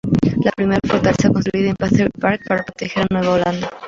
La primera fortaleza, construida en Battery Park para proteger a Nueva Holanda.